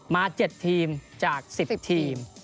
๗ทีมจาก๑๐ทีม